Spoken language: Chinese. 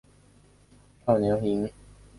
少花淫羊藿为小檗科淫羊藿属下的一个种。